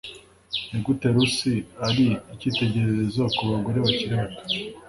Ni gute rusi ari icyitegererezo ku bagore bakiri bato